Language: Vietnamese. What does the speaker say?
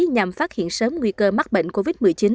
nhằm phát hiện sớm nguy cơ mắc bệnh covid một mươi chín